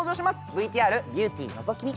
ＶＴＲビューティーのぞき見！